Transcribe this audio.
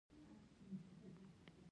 ځکه دې مقام ته یوازې یو کس غوره کېده